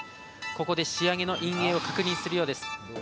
ここで仕上げの印影を確認するようです。